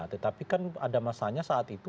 tetapi kan ada masanya saat itu